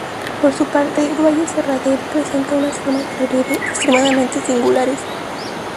Por su parte, el valle de Serradell presenta unas formas de relieve extremadamente singulares.